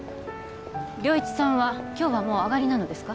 良一さんは今日はもう上がりなのですか？